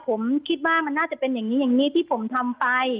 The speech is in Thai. ผมคิดว่ามันน่าจะเป็นอย่างนี้อย่างนี้ที่ผมทำไป